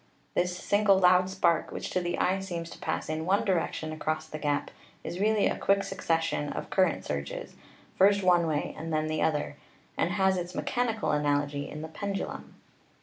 This single loud spark, which to the eye seems to pass in one direction across the gap, is really a quick succession of current surges, first one way and then the other, and has its mechanical analogy in the pendu lum.